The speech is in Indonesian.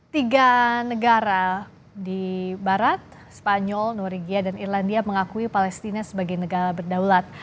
tiga negara di barat spanyol norwegia dan irlandia mengakui palestina sebagai negara berdaulat